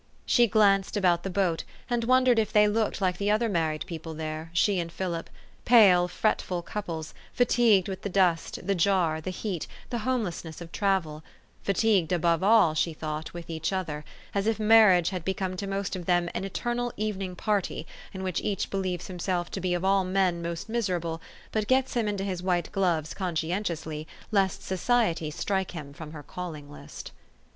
She glanced about the boat, and wondered if they looked like the other married people there, she and Philip, pale, fretful couples, fatigued with the dust, the jar, the heat, the homelessness, of travel ; fatigued, above all, she thought, with each other ; as if marriage had become to most of them an eternal evening party, in which each believes himself to be of all men most miser able, but gets him into his white gloves conscien tiously, lest society strike him from her calling list.